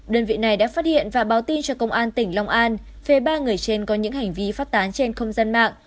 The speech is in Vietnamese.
đơn vị này đã phát hiện và báo tin cho công an tỉnh long an về ba người trên có những hành vi phát tán trên không gian mạng